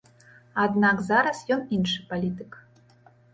Аднак зараз ён іншы палітык.